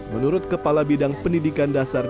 menurut kepala bidang pendidikan dasar